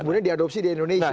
kemudian diadopsi di indonesia